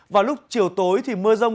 và lúc chiều tối thì mưa rông